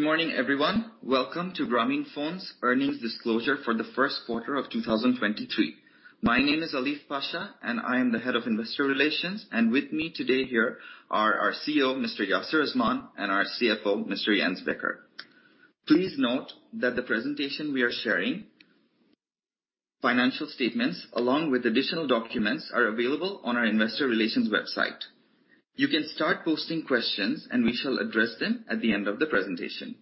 Good morning, everyone. Welcome to Grameenphone's earnings disclosure for the first quarter of 2023. My name is Alif Pasha, and I am the Head of Investor Relations. With me today here are our CEO, Mr. Yasir Azman, and our CFO, Mr. Jens Becker. Please note that the presentation we are sharing, financial statements, along with additional documents, are available on our investor relations website. You can start posting questions, and we shall address them at the end of the presentation.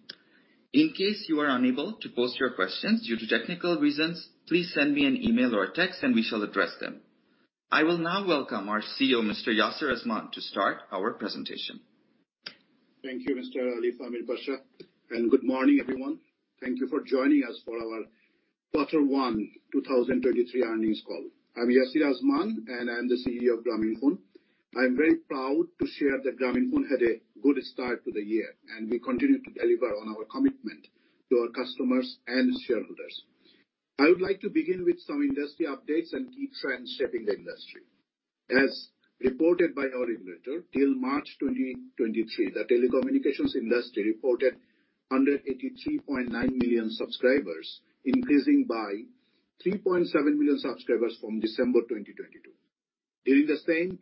In case you are unable to post your questions due to technical reasons, please send me an email or a text, and we shall address them. I will now welcome our CEO, Mr. Yasir Azman, to start our presentation. Thank you, Mr. Alif Amir Pasha, good morning, everyone. Thank you for joining us for our quarter one 2023 earnings call. I'm Yasir Azman, I'm the CEO of Grameenphone. I'm very proud to share that Grameenphone had a good start to the year, we continue to deliver on our commitment to our customers and shareholders. I would like to begin with some industry updates and key trends shaping the industry. As reported by our regulator, till March 2023, the telecommunications industry reported 183.9 million subscribers, increasing by 3.7 million subscribers from December 2022. During the same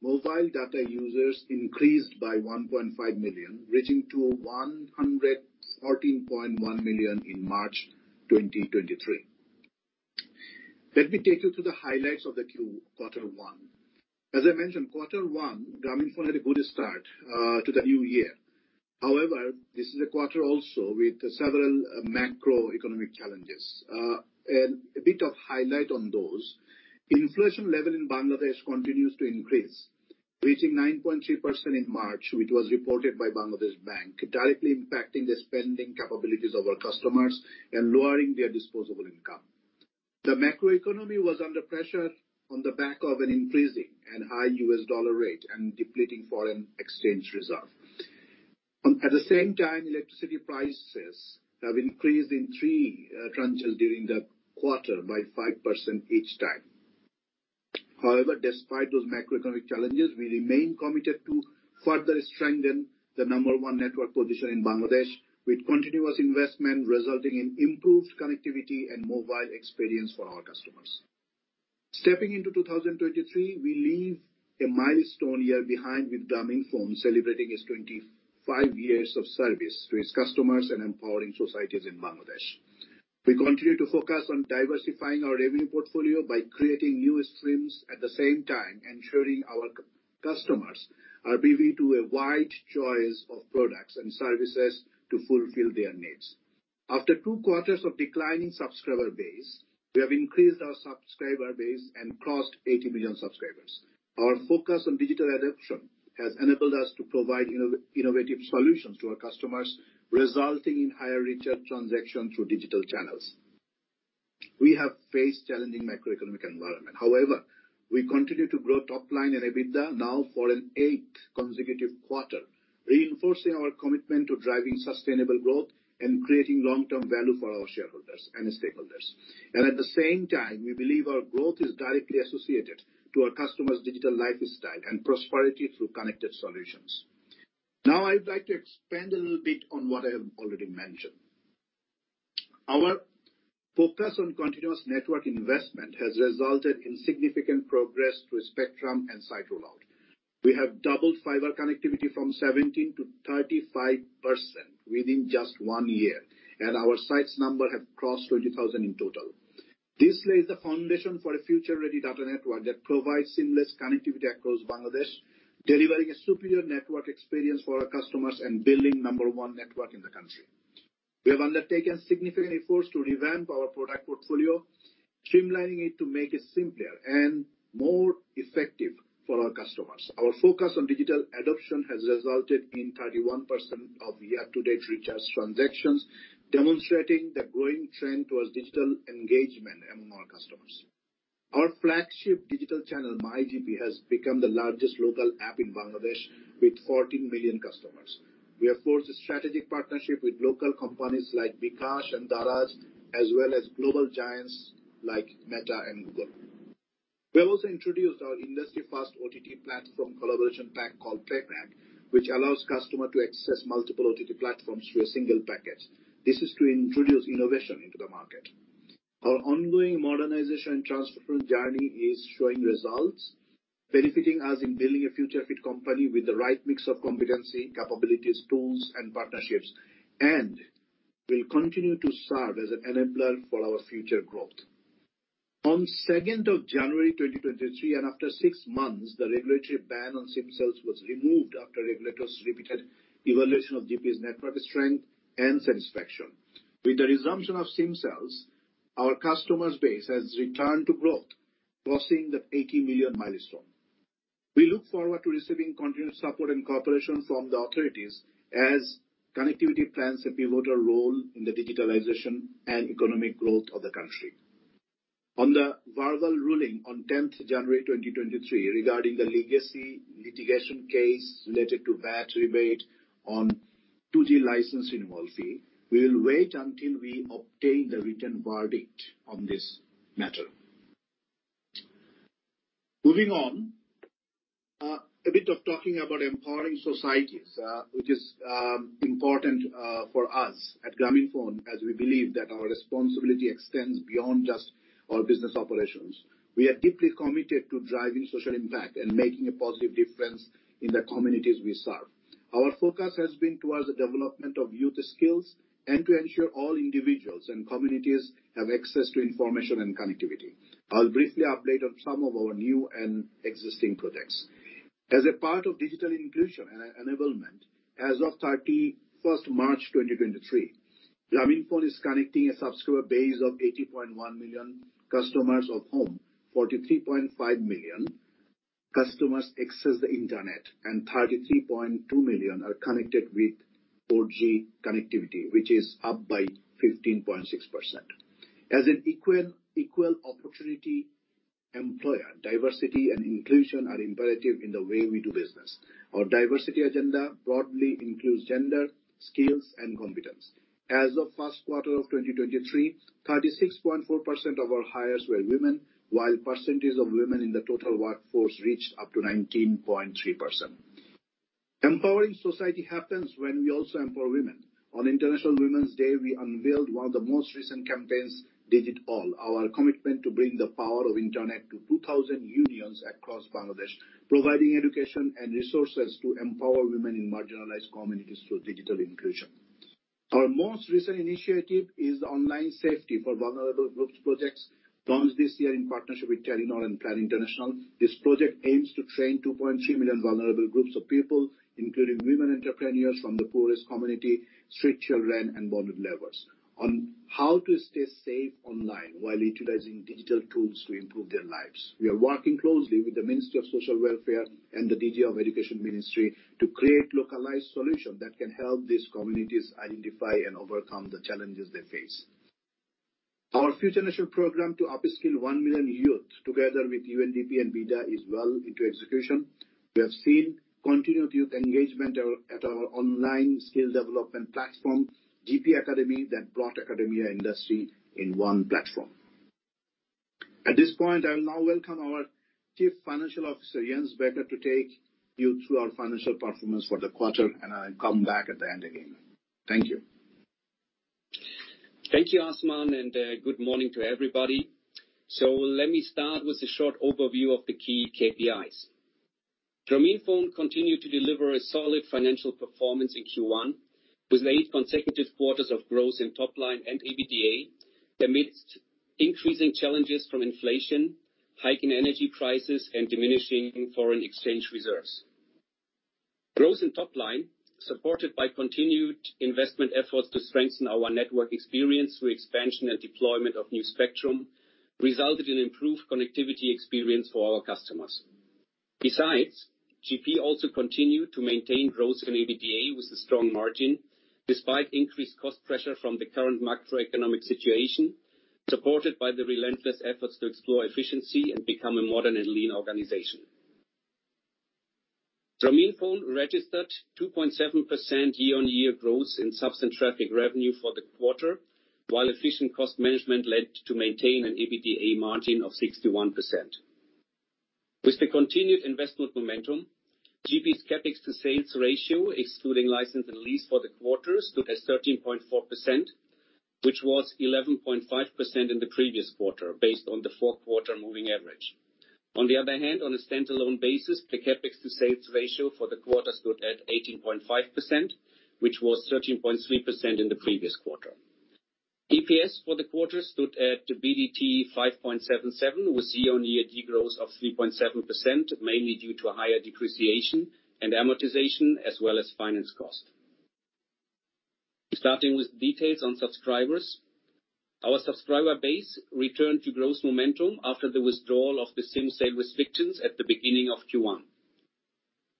period, mobile data users increased by 1.5 million, reaching to 114.1 million in March 2023. Let me take you through the highlights of the quarter one. As I mentioned, quarter one, Grameenphone had a good start to the new year. This is a quarter also with several macroeconomic challenges. A bit of highlight on those. Inflation level in Bangladesh continues to increase, reaching 9.3% in March, which was reported by Bangladesh Bank, directly impacting the spending capabilities of our customers and lowering their disposable income. The macroeconomy was under pressure on the back of an increasing and high U.S. dollar rate and depleting foreign exchange reserve. At the same time, electricity prices have increased in three tranches during the quarter by 5% each time. Despite those macroeconomic challenges, we remain committed to further strengthen the number one network position in Bangladesh with continuous investment resulting in improved connectivity and mobile experience for our customers. Stepping into 2023, we leave a milestone year behind with Grameenphone celebrating its 25 years of service to its customers and empowering societies in Bangladesh. We continue to focus on diversifying our revenue portfolio by creating new streams, at the same time ensuring our customers are giving to a wide choice of products and services to fulfill their needs. After two quarters of declining subscriber base, we have increased our subscriber base and crossed 80 million subscribers. Our focus on digital adoption has enabled us to provide innovative solutions to our customers, resulting in higher retail transaction through digital channels. We have faced challenging macroeconomic environment. However, we continue to grow top line and EBITDA now for an eighth consecutive quarter, reinforcing our commitment to driving sustainable growth and creating long-term value for our shareholders and stakeholders. At the same time, we believe our growth is directly associated to our customers' digital lifestyle and prosperity through connected solutions. I'd like to expand a little bit on what I have already mentioned. Our focus on continuous network investment has resulted in significant progress through spectrum and site rollout. We have doubled fiber connectivity from 17 to 35% within just one year, and our sites number have crossed 20,000 in total. This lays the foundation for a future-ready data network that provides seamless connectivity across Bangladesh, delivering a superior network experience for our customers and building number one network in the country. We have undertaken significant efforts to revamp our product portfolio, streamlining it to make it simpler and more effective for our customers. Our focus on digital adoption has resulted in 31% of year-to-date recharge transactions, demonstrating the growing trend towards digital engagement among our customers. Our flagship digital channel, MyGP, has become the largest local app in Bangladesh with 14 million customers. We have forged a strategic partnership with local companies like bKash and Daraz, as well as global giants like Meta and Google. We have also introduced our industry-first OTT platform collaboration pack called Play Packs, which allows customer to access multiple OTT platforms through a single package. This is to introduce innovation into the market. Our ongoing modernization and transformation journey is showing results, benefiting us in building a future fit company with the right mix of competency, capabilities, tools and partnerships, and will continue to serve as an enabler for our future growth. On 2nd of January 2023, and after six months, the regulatory ban on SIM sales was removed after regulators repeated evaluation of GP's network strength and satisfaction. With the resumption of SIM sales, our customers' base has returned to growth, crossing the 80 million milestone. We look forward to receiving continuous support and cooperation from the authorities as connectivity plans a pivotal role in the digitalization and economic growth of the country. On the verbal ruling on 10th January 2023 regarding the legacy litigation case related to VAT rebate on 2G license renewal fee, we will wait until we obtain the written verdict on this matter. Moving on, a bit of talking about empowering societies, which is important for us at Grameenphone as we believe that our responsibility extends beyond just our business operations. We are deeply committed to driving social impact and making a positive difference in the communities we serve. Our focus has been towards the development of youth skills and to ensure all individuals and communities have access to information and connectivity. I'll briefly update on some of our new and existing projects. As a part of digital inclusion enablement, as of 31st March 2023, Grameenphone is connecting a subscriber base of 80.1 million customers of whom 43.5 million customers access the internet, and 33.2 million are connected with 4G connectivity, which is up by 15.6%. As an equal opportunity employer, diversity and inclusion are imperative in the way we do business. Our diversity agenda broadly includes gender, skills, and competence. As of 1st quarter of 2023, 36.4% of our hires were women, while percentage of women in the total workforce reached up to 19.3%. Empowering society happens when we also empower women. On International Women's Day, we unveiled one of the most recent campaigns, DigitALL, our commitment to bring the power of internet to 2,000 unions across Bangladesh, providing education and resources to empower women in marginalized communities through digital inclusion. Our most recent initiative is the online safety for vulnerable groups projects launched this year in partnership with Telenor and Plan International. This project aims to train 2.3 million vulnerable groups of people, including women entrepreneurs from the poorest community, street children, and bonded laborers on how to stay safe online while utilizing digital tools to improve their lives. We are working closely with the Ministry of Social Welfare and the DG of Education Ministry to create localized solution that can help these communities identify and overcome the challenges they face. Our future national program to upskill 1 million youth together with UNDP and BIDA is well into execution. We have seen continued youth engagement at our online skill development platform, GP Academy, that brought academia industry in one platform. At this point, I will now welcome our Chief Financial Officer, Jens Becker, to take you through our financial performance for the quarter. I'll come back at the end again. Thank you. Thank you, Azman, good morning to everybody. Let me start with a short overview of the key KPIs. Grameenphone continued to deliver a solid financial performance in Q1 with eight consecutive quarters of growth in top line and EBITDA amidst increasing challenges from inflation, hike in energy prices, and diminishing foreign exchange reserves. Growth in top line, supported by continued investment efforts to strengthen our network experience through expansion and deployment of new spectrum, resulted in improved connectivity experience for our customers. GP also continued to maintain growth in EBITDA with a strong margin despite increased cost pressure from the current macroeconomic situation, supported by the relentless efforts to explore efficiency and become a modern and lean organization. Grameenphone registered 2.7% year-on-year growth in subs and traffic revenue for the quarter, while efficient cost management led to maintain an EBITDA margin of 61%. With the continued investment momentum, GP's CapEx to sales ratio, excluding license and lease for the quarter, stood at 13.4%, which was 11.5% in the previous quarter based on the four-quarter moving average. On the other hand, on a standalone basis, the CapEx to sales ratio for the quarter stood at 18.5%, which was 13.3% in the previous quarter. EPS for the quarter stood at BDT 5.77, with year-on-year degrowth of 3.7%, mainly due to higher depreciation and amortization as well as finance cost. Starting with details on subscribers. Our subscriber base returned to growth momentum after the withdrawal of the SIM sale restrictions at the beginning of Q1.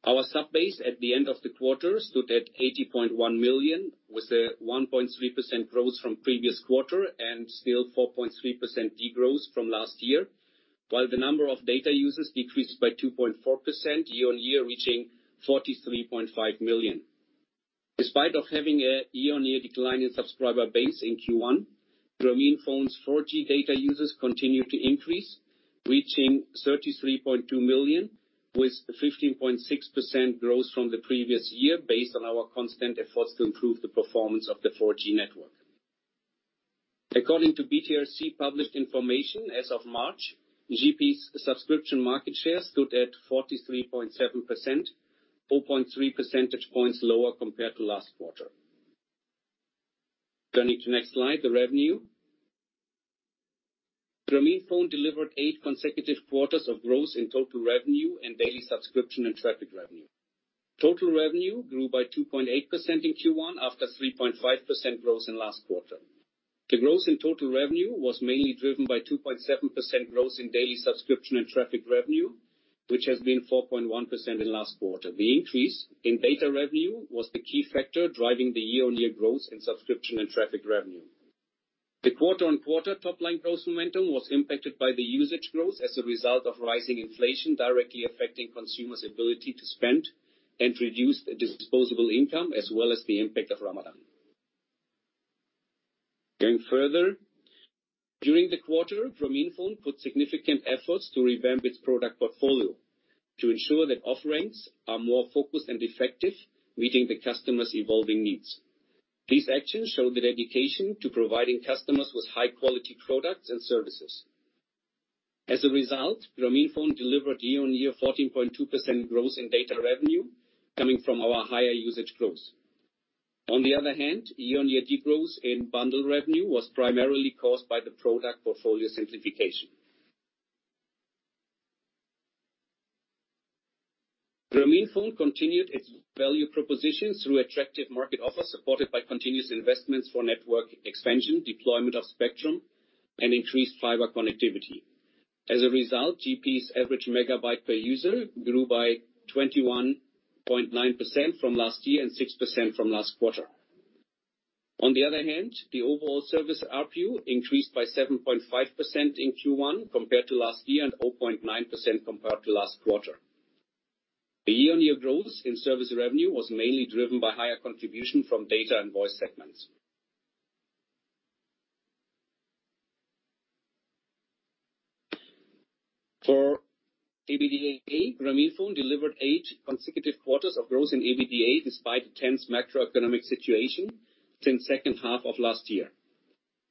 Our sub base at the end of the quarter stood at 80.1 million, with a 1.3% growth from previous quarter and still 4.3% degrowth from last year, while the number of data users decreased by 2.4% year-on-year, reaching 43.5 million. Despite of having a year-on-year decline in subscriber base in Q1, Grameenphone's 4G data users continued to increase, reaching 33.2 million with 15.6% growth from the previous year based on our constant efforts to improve the performance of the 4G network. According to BTRC published information, as of March, GP's subscription market share stood at 43.7%, 4.3 percentage points lower compared to last quarter. Turning to next slide, the revenue. Grameenphone delivered eight consecutive quarters of growth in total revenue and daily subscription and traffic revenue. Total revenue grew by 2.8% in Q1 after 3.5% growth in last quarter. The growth in total revenue was mainly driven by 2.7% growth in daily subscription and traffic revenue, which has been 4.1% in last quarter. The increase in data revenue was the key factor driving the year-on-year growth in subscription and traffic revenue. The quarter-on-quarter top-line growth momentum was impacted by the usage growth as a result of rising inflation directly affecting consumers' ability to spend and reduce the disposable income as well as the impact of Ramadan. Going further, during the quarter, Grameenphone put significant efforts to revamp its product portfolio to ensure that offerings are more focused and effective, meeting the customers' evolving needs. These actions show the dedication to providing customers with high quality products and services. As a result, Grameenphone delivered year-on-year 14.2% growth in data revenue coming from our higher usage growth. On the other hand, year-on-year decrease in bundle revenue was primarily caused by the product portfolio simplification. Grameenphone continued its value propositions through attractive market offers, supported by continuous investments for network expansion, deployment of spectrum, and increased fiber connectivity. As a result, GP's average megabyte per user grew by 21.9% from last year and 6% from last quarter. On the other hand, the overall service ARPU increased by 7.5% in Q1 compared to last year, and 0.9% compared to last quarter. The year-on-year growth in service revenue was mainly driven by higher contribution from data and voice segments. For EBITDA, Grameenphone delivered eight consecutive quarters of growth in EBITDA despite the tense macroeconomic situation since second half of last year.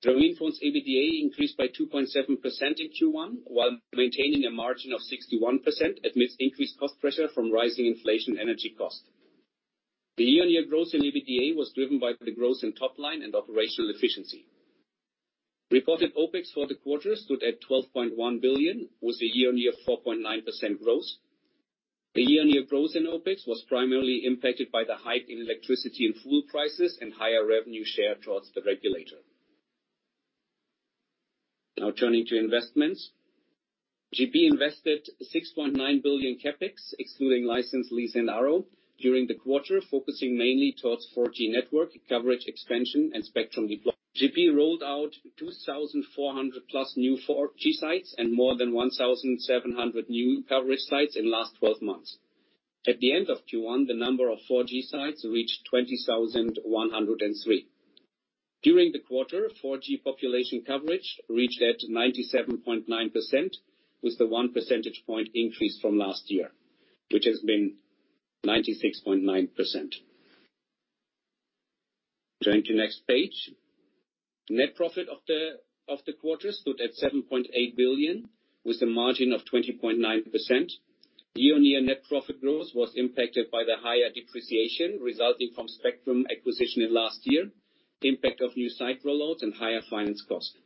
Grameenphone's EBITDA increased by 2.7% in Q1, while maintaining a margin of 61% amidst increased cost pressure from rising inflation energy costs. The year-on-year growth in EBITDA was driven by the growth in top line and operational efficiency. Reported OpEx for the quarter stood at BDT 12.1 billion, with a year-on-year 4.9% growth. The year-on-year growth in OpEx was primarily impacted by the hike in electricity and fuel prices and higher revenue share towards the regulator. Turning to investments. GP invested BDT 6.9 billion CapEx, excluding license lease and ARO during the quarter, focusing mainly towards 4G network coverage expansion and spectrum deployment. GP rolled out 2,400+ new 4G sites and more than 1,700 new coverage sites in last 12 months. At the end of Q1, the number of 4G sites reached 20,103. During the quarter, 4G population coverage reached at 97.9%, with the 1 percentage point increase from last year, which has been 96.9%. Turning to next page. Net profit of the quarter stood at BDT 7.8 billion, with a margin of 20.9%. Year-on-year net profit growth was impacted by the higher depreciation resulting from spectrum acquisition in last year, impact of new site rollouts, and higher finance cost.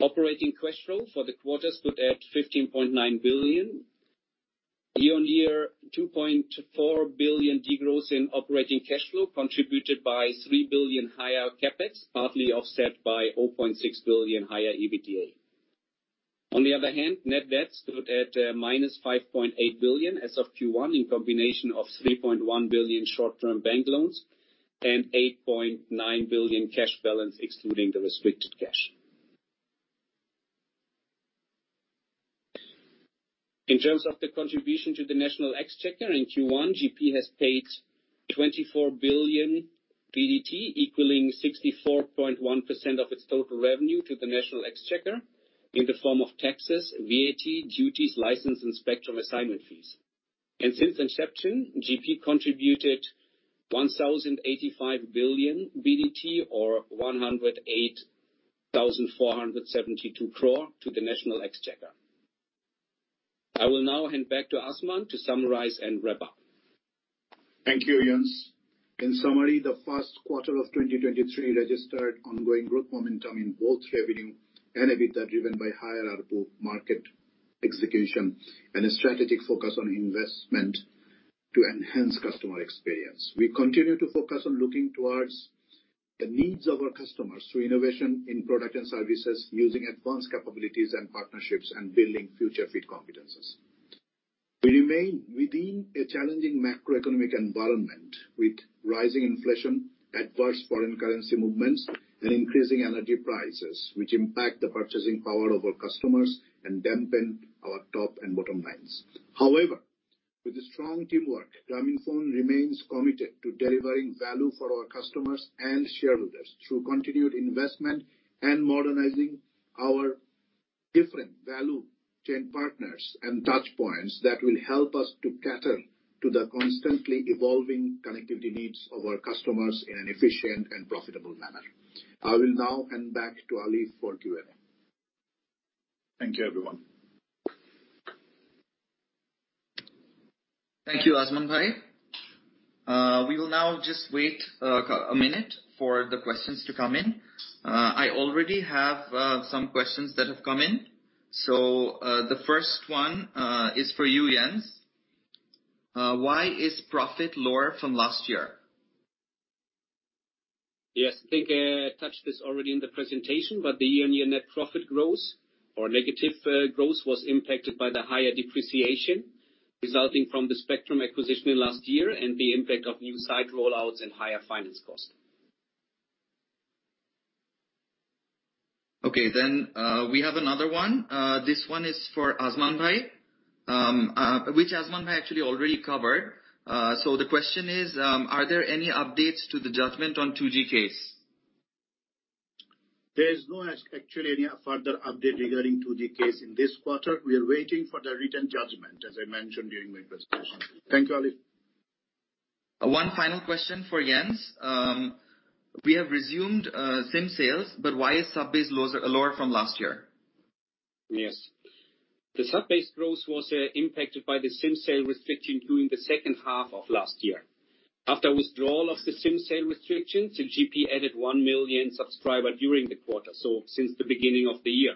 Operating cash flow for the quarter stood at BDT 15.9 billion. Year-on-year, BDT 2.4 billion degrowth in operating cash flow contributed by BDT 3 billion higher CapEx, partly offset by BDT 0.6 billion higher EBITDA. On the other hand, net debt stood at minus BDT 5.8 billion as of Q1, in combination of BDT 3.1 billion short-term bank loans and BDT 8.9 billion cash balance excluding the restricted cash. In terms of the contribution to the national exchequer in Q1, GP has paid BDT 24 billion, equaling 64.1% of its total revenue to the national exchequer in the form of taxes, VAT, duties, license, and spectrum assignment fees. Since inception, GP contributed BDT 1,085 billion or BDT 108,472 crore to the national exchequer. I will now hand back to Azman to summarize and wrap up. Thank you, Jens. In summary, the first quarter of 2023 registered ongoing growth momentum in both revenue and EBITDA, driven by higher ARPU market execution and a strategic focus on investment to enhance customer experience. We continue to focus on looking towards the needs of our customers through innovation in product and services, using advanced capabilities and partnerships, and building future-fit competences. We remain within a challenging macroeconomic environment with rising inflation, adverse foreign currency movements, and increasing energy prices, which impact the purchasing power of our customers and dampen our top and bottom lines. However, with the strong teamwork, Grameenphone remains committed to delivering value for our customers and shareholders through continued investment and modernizing our different value chain partners and touchpoints that will help us to cater to the constantly evolving connectivity needs of our customers in an efficient and profitable manner. I will now hand back to Ali for Q and A. Thank you, everyone. Thank you, Azman Yasir. We will now just wait a minute for the questions to come in. I already have some questions that have come in. The first one is for you, Jens. Why is profit lower from last year? Yes. I think I touched this already in the presentation, but the year-on-year net profit growth or negative growth was impacted by the higher depreciation resulting from the spectrum acquisition in last year and the impact of new site rollouts and higher finance costs. We have another one. This one is for Azman Yasir. Which Azman Yasir actually already covered. The question is: Are there any updates to the judgment on 2G case? There is no actually any further update regarding 2G case in this quarter. We are waiting for the written judgment, as I mentioned during my presentation. Thank you, Ali. One final question for Jens. We have resumed SIM sales, but why is sub base lower from last year? Yes. The sub-base growth was impacted by the SIM sale restriction during the second half of last year. After withdrawal of the SIM sale restrictions, GP added 1 million subscriber during the quarter, since the beginning of the year.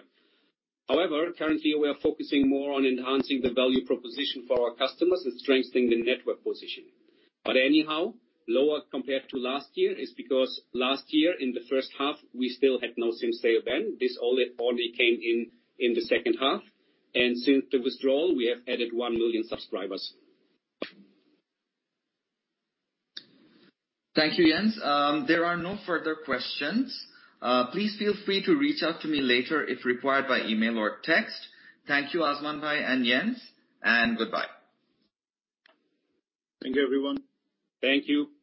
However, currently we are focusing more on enhancing the value proposition for our customers and strengthening the network position. Anyhow, lower compared to last year is because last year in the first half we still had no SIM sale ban. This only came in the second half. Since the withdrawal, we have added 1 million subscribers. Thank you, Jens. There are no further questions. Please feel free to reach out to me later if required by email or text. Thank you, Azman Yasir and Jens, and goodbye. Thank you, everyone. Thank you. Thank you.